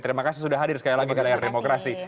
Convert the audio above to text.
terima kasih sudah hadir sekali lagi ke layar demokrasi